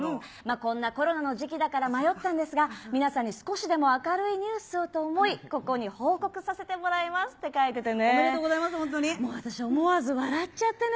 こんなコロナの時期だから迷ったんですが、皆さんに少しでも明るいニュースをと思い、ここに報告させてもらおめでとうございます、私、思わず笑っちゃってね。